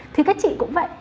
thì các chị cũng vậy